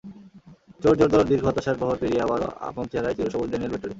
চোটজর্জর দীর্ঘ হতাশার প্রহর পেরিয়ে আবারও আপন চেহারায় চিরসবুজ ড্যানিয়েল ভেট্টোরি।